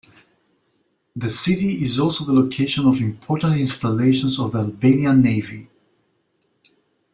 The city is also the location of important installations of the Albanian Navy.